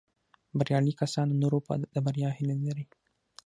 بریالي کسان د نورو د بریا هیله لري